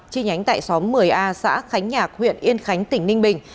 chi nhánh tại xóm một mươi a xã khánh nhạc huyện yên khánh tỉnh ninh bình